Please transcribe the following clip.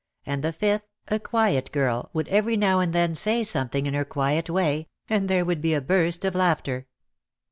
And the fifth, a quiet girl, would every now and then say something in her quiet way and there would be a burst of laughter.